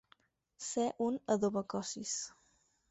Ser un adobacossis.